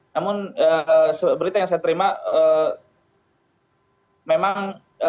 namun berita yang saya terima memang